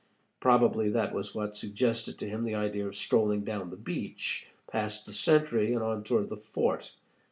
Probably that was what suggested to him the idea of strolling down the beach, past the sentry, and on toward the fort.